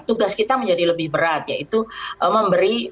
tugas kita menjadi lebih berat yaitu memberi perhatian lebih memberi pengawasan lebih